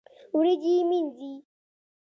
وريجي مينځي